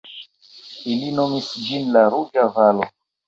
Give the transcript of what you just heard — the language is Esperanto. Ili nomis ĝin la Ruĝa Valo.